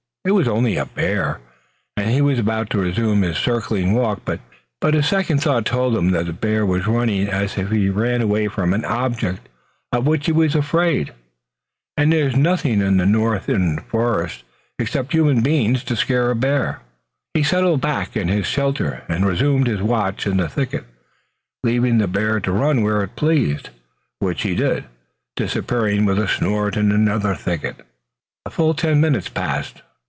It was only a bear, and he was about to resume his circling walk, but second thought told him that the bear was running as if he ran away from an object of which he was afraid, and there was nothing in the northern forests except human beings to scare a bear. He settled back in his shelter and resumed his watch in the thicket, leaving the bear to run where he pleased, which he did, disappearing with a snort in another thicket. A full ten minutes passed.